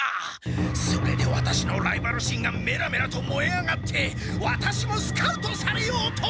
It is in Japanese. それでワタシのライバル心がメラメラともえ上がってワタシもスカウトされようと。